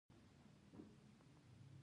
یو سړي یو زمری ولید.